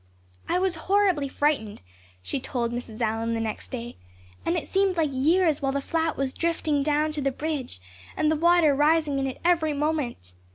"I was horribly frightened," she told Mrs. Allan the next day, "and it seemed like years while the flat was drifting down to the bridge and the water rising in it every moment.